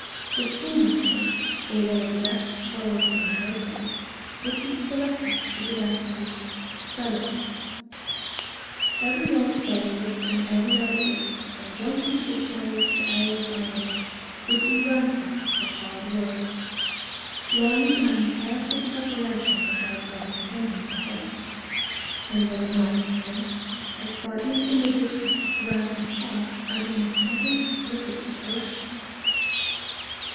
The school master, or one of the best scholars in the neighborhood, would be selected to give out the "spellings." Every old spelling book and every other book, from Johnson's Dictionary to Ayer's Almanac, would be ransacked for hard words. Long and careful preparation was made by the intending contestants; and when the night came, excitement in the district ran as high as in a modern political election.